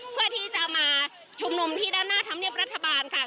เพื่อที่จะมาชุมนุมที่ด้านหน้าธรรมเนียบรัฐบาลค่ะ